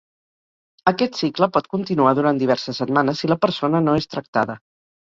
Aquest cicle pot continuar durant diverses setmanes si la persona no és tractada.